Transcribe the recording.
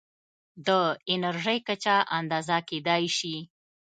د انرژۍ کچه اندازه کېدای شي.